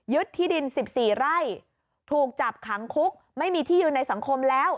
ที่ดิน๑๔ไร่ถูกจับขังคุกไม่มีที่ยืนในสังคมแล้ว